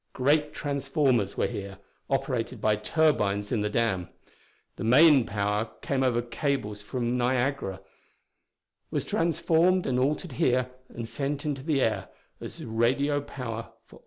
Great transformers were here, operated by turbines in the dam. The main power came over cables from Niagara: was transformed and altered here and sent into the air as radio power for all the New York District.